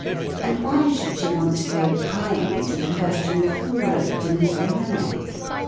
And why should she want to go pry¬ ing into the question of who wrote to Miss Remanet